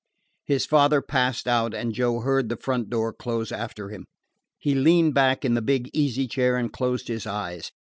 His father passed out, and Joe heard the front door close after him. He leaned back in the big easy chair and closed his eyes.